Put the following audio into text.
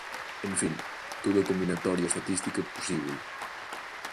En fin, toda a combinatoria estatística posible.